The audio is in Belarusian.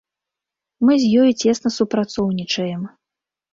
Мы з ёю цесна супрацоўнічаем.